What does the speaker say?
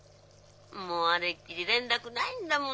☎もうあれっきり連絡ないんだもの。